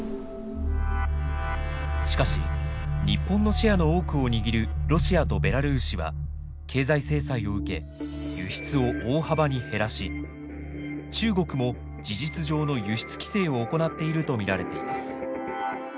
しかし日本のシェアの多くを握るロシアとベラルーシは経済制裁を受け輸出を大幅に減らし中国も事実上の輸出規制を行っていると見られています。